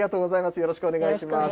よろしくお願いします。